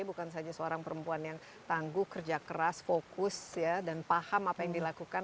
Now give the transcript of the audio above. bukan saja seorang perempuan yang tangguh kerja keras fokus dan paham apa yang dilakukan